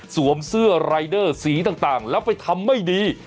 เสื้อรายเดอร์สีต่างแล้วไปทำไม่ดี